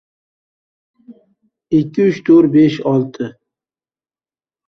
Mutaxassis bir kunda nechta niqob taqish kerakligini aytdi